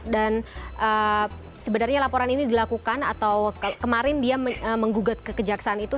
dan sebenarnya laporan ini dilakukan atau kemarin dia menggugat kekejaksaan itu